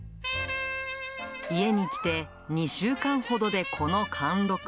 家に来て２週間ほどでこの貫禄。